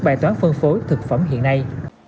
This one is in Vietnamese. bài toán phân phối thực phẩm hiện nay